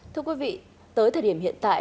thưa quý vị tới thời điểm hiện tại